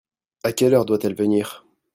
A quelle heure doit-elle venir ?